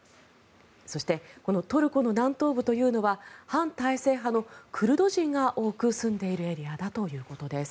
そして、このトルコの南東部というのは反体制派のクルド人が多く住んでいるエリアだということです。